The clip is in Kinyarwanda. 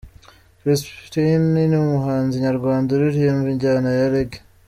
Chrispin ni umuhanzi nyarwanda uririmba injyana ya Reggae.